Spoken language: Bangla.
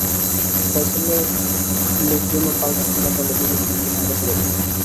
ফয়সালের লোকজনও পাল্টা হামলা করলে দুই পক্ষের মধ্যে সংঘর্ষ বেধে যায়।